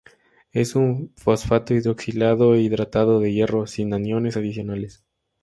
Es un fosfato hidroxilado e hidratado de hierro, sin aniones adicionales.